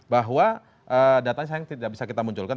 bahwa datanya sayang tidak bisa kita munculkan